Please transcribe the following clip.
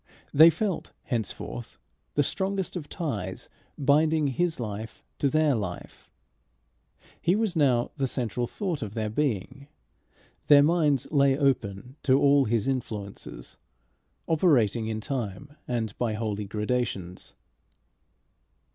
They felt henceforth the strongest of ties binding his life to their life. He was now the central thought of their being. Their minds lay open to all his influences, operating in time and by holy gradations.